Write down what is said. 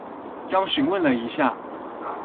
剛詢問了一下